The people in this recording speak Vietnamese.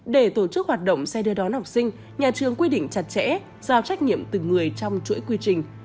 để tổ chức hoạt động xe đưa đón học sinh nhà trường quy định chặt chẽ giao trách nhiệm từng người trong chuỗi quy trình